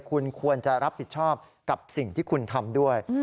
คุณควรจะรับผิดชอบกับสิ่งที่คุณทำด้วย